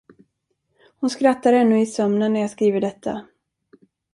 Hon skrattar ännu i sömnen när jag skriver detta.